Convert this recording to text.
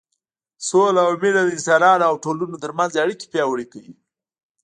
سوله او مینه د انسانانو او ټولنو تر منځ اړیکې پیاوړې کوي.